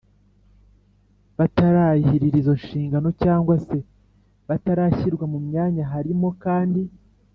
batararahirira izo nshingano cyangwa se batarashyirwa mu myanya Harimo kandi